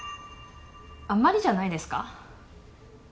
あんまりじゃないですか。